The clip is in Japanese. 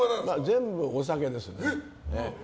全部お酒です。